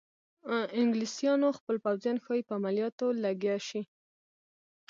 انګلیسیانو خپل پوځیان ښایي په عملیاتو لګیا شي.